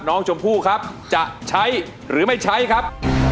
น้องชมพู่ครับจะใช้หรือไม่ใช้ครับ